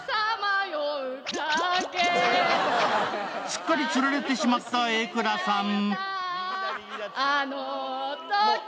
すっかりつられてしまった榮倉さん。